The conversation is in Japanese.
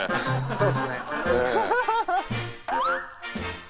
そうですね。